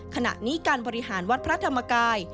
ขณะนี้การบริหารวัดพระธรรมกาย